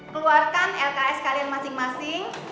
keluarkan lks kalian masing masing